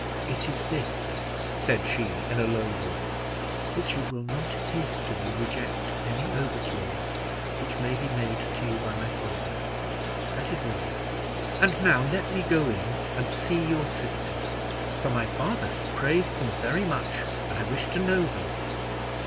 "It is this," said she, in a low voice "that you will not hastily reject any overtures which may be made to you by my father; that is all. And now let me go in and see your sisters, for my father has praised them very much, and I wish to know them."